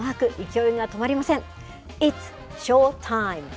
勢いが止まりません。